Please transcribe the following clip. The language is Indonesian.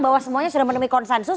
bahwa semuanya sudah menemui konsensus